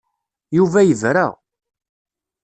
Yuba yebra.